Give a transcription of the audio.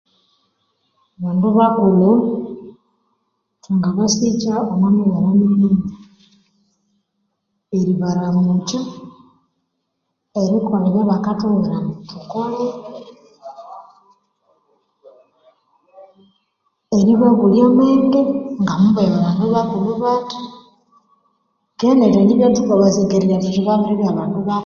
Abandu bakulhu thwangabasikya omwa mibere minene: eribaramukya, erikolha ebya bakathubwira ambu thukole, eribabulya amenge ngamubababya bandu bakulhu bathi keghe nerithendibya thukabasekererya thuthi babiribya bandu baku.